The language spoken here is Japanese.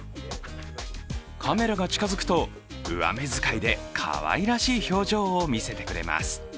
カメラが近づくと、上目使いでかわいらしい表情を見せてくれます。